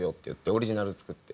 オリジナルを作って。